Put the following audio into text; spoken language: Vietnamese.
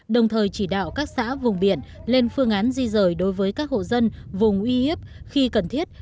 đồng thời chỉ đạo các xã vùng biển lên phương án di rời đối với các hộ dân vùng uy hiếp khi cần thiết